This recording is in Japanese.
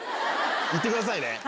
行ってくださいね。